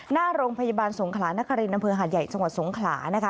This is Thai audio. หน้าโรงพยาบาลสงขลานักษรินนหาดใหญ่สสงขลานะคะ